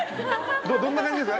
どんな感じですか？